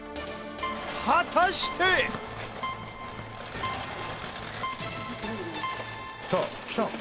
果たして。来た！来た！